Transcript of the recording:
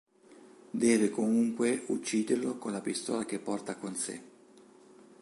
Deve comunque ucciderlo con la pistola che porta con sé.